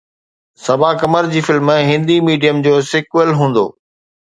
صبا قمر جي film Hindi medium جو sequel هوندو